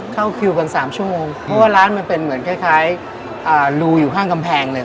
เข้าคิวกัน๓ชั่วโมงเพราะว่าร้านมันเป็นเหมือนคล้ายรูอยู่ข้างกำแพงเลย